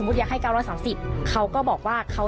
ดีกว่า